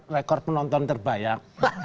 rekor penonton terbayang